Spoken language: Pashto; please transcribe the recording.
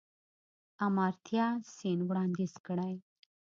آمارتیا سېن وړانديز کړی.